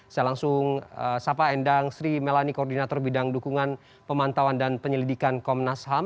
saya langsung sapa endang sri melani koordinator bidang dukungan pemantauan dan penyelidikan komnas ham